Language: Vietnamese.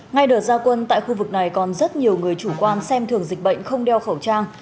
ngay đợt gia quân tại khu vực này còn rất nhiều người chủ quan xem thường dịch bệnh không đeo khẩu trang